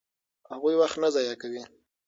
هغوی وخت نه ضایع کوي.